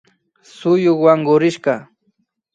Suyuk wankurishka